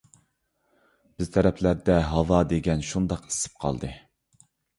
بىز تەرەپلەردە ھاۋا دېگەن شۇنداق ئىسسىپ قالدى.